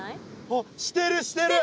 あっしてるしてる！